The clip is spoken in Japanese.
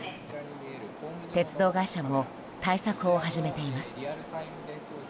鉄道会社も対策を始めています。